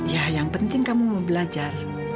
ya yang penting kamu mau belajar